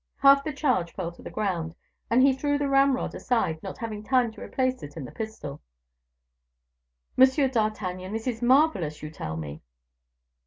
"Half the charge fell to the ground, and he threw the ramrod aside, not having time to replace it in the pistol." "Monsieur d'Artagnan, this is marvellous you tell me."